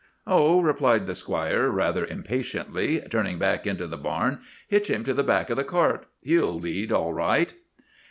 "'Oh,' replied the squire rather impatiently, turning back into the barn, 'hitch him to the back o' the cart. He'll lead all right!